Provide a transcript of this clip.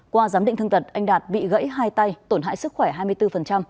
qua giám định thương tật anh đạt bị gãy hai tay tổn hại sức khỏe hai mươi bốn